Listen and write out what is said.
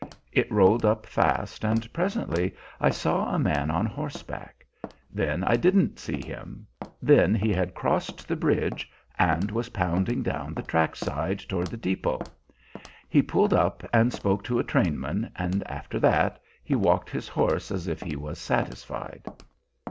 It rolled up fast, and presently I saw a man on horseback; then I didn't see him; then he had crossed the bridge and was pounding down the track side toward the depot. He pulled up and spoke to a trainman, and after that he walked his horse as if he was satisfied.